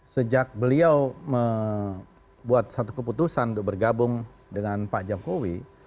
sejak beliau membuat satu keputusan untuk bergabung dengan pak jokowi